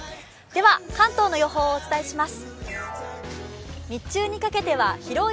関東の予報をお伝えします。